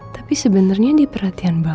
tapi sebenernya diperhatian banget